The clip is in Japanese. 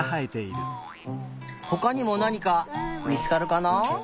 ほかにもなにかみつかるかな？